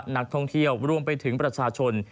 นักท่องเที่ยวรวมไปถึงประชาชน